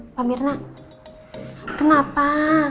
mbak mirna kenapa